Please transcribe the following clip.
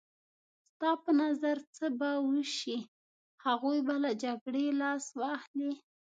ستا په نظر څه به وشي؟ هغوی به له جګړې لاس واخلي.